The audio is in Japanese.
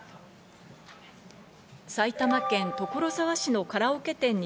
埼玉県所沢市のカラオケ店に